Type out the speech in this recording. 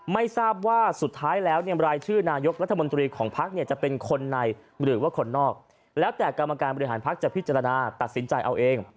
ไม่ทราบว่าสุดท้ายแล้วเนี่ยรายชื่อนายกรัฐมนตรีของพักเนี่ยจะเป็นคนในหรือว่าคนนอกแล้วแต่กรรมการบริหารพักจะพิจารณาตัดสินใจเอาเอง